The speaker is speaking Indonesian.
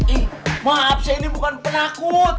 ih maaf saya ini bukan penakut